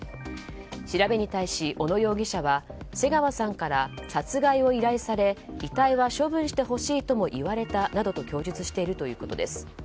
調べに対し、小野容疑者は瀬川さんから殺害を依頼され遺体は処分してほしいとも言われたなどと供述しているということです。